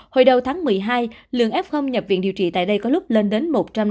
hồi đầu tháng một mươi hai lượng f nhập viện điều trị tại đây có lúc lên đến một trăm sáu mươi